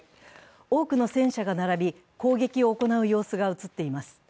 多くの戦車が並び、攻撃を行う様子が映っています。